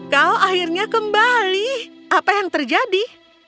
kau akhirnya kembali apa yang terjadi